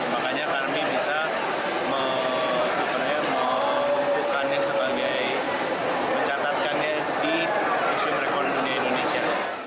makanya kami bisa mengukurkannya sebagai mencatatkannya di museum rekor dunia indonesia